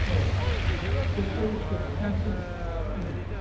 絶対許すことできませんよ。